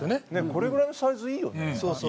これぐらいのサイズいいよね。